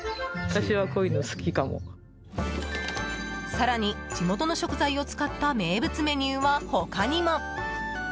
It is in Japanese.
更に地元の食材を使った名物メニューは、他にも。